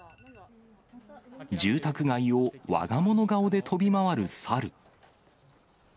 住宅街をわが物顔で飛び回る猿。